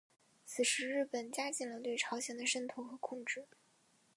此时日本加紧了对朝鲜的渗透和控制。